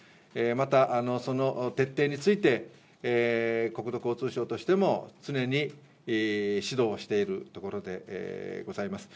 またその徹底について、国土交通省としても、常に指導をしているところでございます。